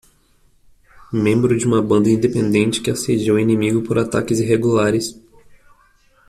Membro de uma banda independente que assedia o inimigo por ataques irregulares.